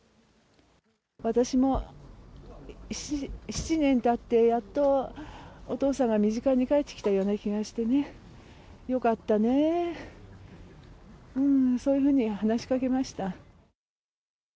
私も７年たって、やっとお父さんが身近に帰ってきたような気がしてね、よかったね、そういうふうに話しかけました。